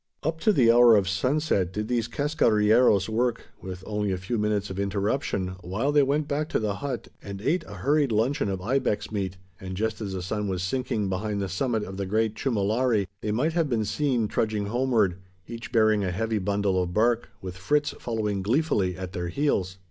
Up to the hour of sunset did these "cascarilleros" work with only a few minutes of interruption, while they went back to the hut, and ate a hurried luncheon of ibex meat and just as the sun was sinking behind the summit of the great Chumulari, they might have been seen trudging homeward each bearing a heavy bundle of bark, with Fritz following gleefully at their heels.